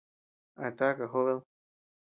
¿A taka jobed?